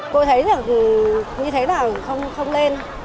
cô thấy như thế là không lên